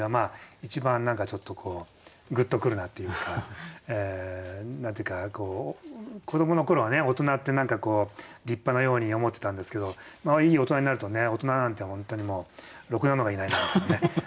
一番ちょっとグッと来るなっていうか何て言うか子どもの頃は大人って何かこう立派なように思ってたんですけどいい大人になるとね大人なんて本当にもうろくなのがいない。